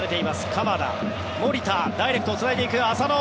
鎌田、守田ダイレクトをつないでいく浅野。